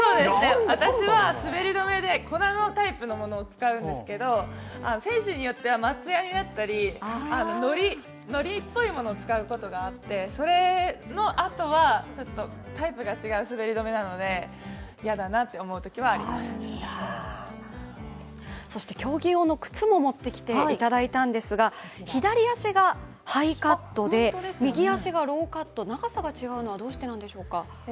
私は滑り止めで粉のタイプのものを使うんですけど、選手によっては松ヤニだったり、のりっぽいものを使うことがあって、それの後は、タイプが違う滑り止めなのでそして競技用の靴も持ってきていただいたんですが、左足がハイカットで、右足がローカット、長さが違うのはどうしてなんでしょうか？